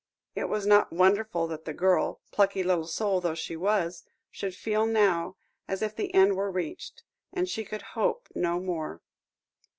It was not wonderful that the girl, plucky little soul though she was, should feel now as if the end were reached, and she could hope no more.